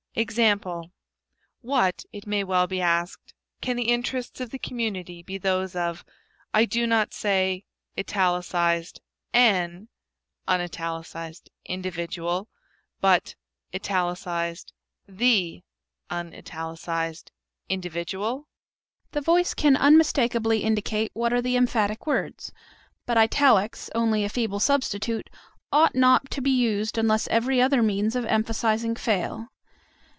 What, it may well be asked, can the interests of the community be those of I do not say an individual, but the individual? The voice can unmistakably indicate what are the emphatic words; but italics, only a feeble substitute, ought not to be used unless every other means of emphasizing fail.